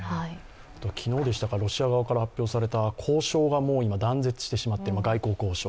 昨日、ロシア側から発表された外交交渉が断絶してしまっていると。